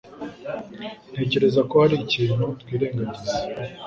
Ntekereza ko hari ikintu twirengagiza.